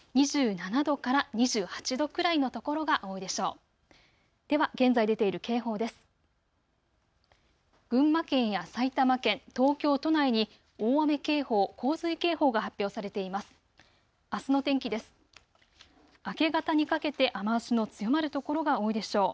２７度から２８度くらいのところが多いでしょう。